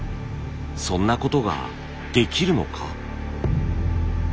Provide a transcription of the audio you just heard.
そんなことができるのか。